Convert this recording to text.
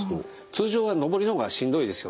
通常は登りの方がしんどいですよね。